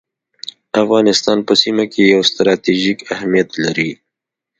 افغانستان په سیمه کي یو ستراتیژیک اهمیت لري